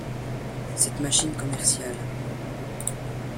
cette machine commerciale.